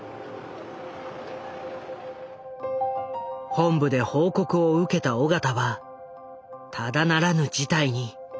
本部で報告を受けた緒方はただならぬ事態に頭を悩ませた。